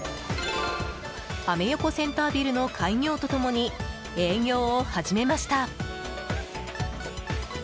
アメ横センタービルの開業と共に営業を始めました。